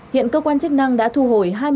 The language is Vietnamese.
hiện cơ quan chức năng đã thu hồi